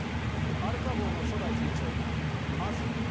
アルカ号の初代船長マズロー。